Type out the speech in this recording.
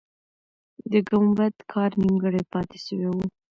د ګمبد کار نیمګړی پاتې سوی دی.